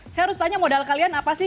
saya harus tanya modal kalian apa sih